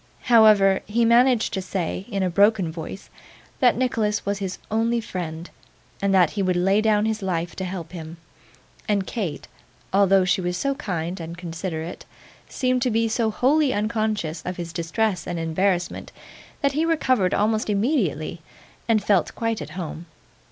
However, he managed to say, in a broken voice, that Nicholas was his only friend, and that he would lay down his life to help him; and Kate, although she was so kind and considerate, seemed to be so wholly unconscious of his distress and embarrassment, that he recovered almost immediately and felt quite at home.